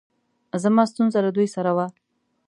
زما ستونره له دوی سره وه